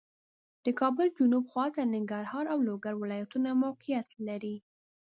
د کابل جنوب خواته ننګرهار او لوګر ولایتونه موقعیت لري